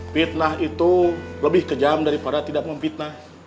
fitnah itu lebih kejam daripada tidak memfitnah